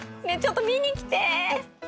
ねえちょっと見に来て！